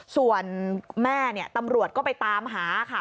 ส่วนแม่เนี่ยตำรวจก็ไปตามหาค่ะ